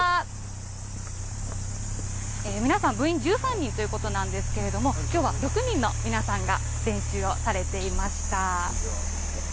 皆さん、部員１３人ということなんですけれども、きょうは６人の皆さんが練習をされていました。